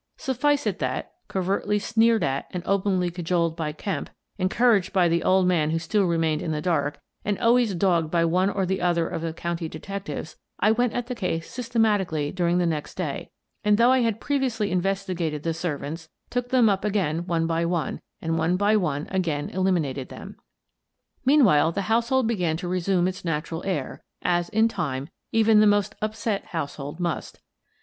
Suffice it that — covertly sneered at and openly cajoled by Kemp, encouraged by the old man who still remained in the dark, and always dogged by one or other of the county detectives — I went at the case systematically during the next day and, though I had previously investigated the servants, took them up again one by one, and one by one again eliminated them. Meanwhile, the household began to resume its natural air, as, in time, even the most upset house hold must.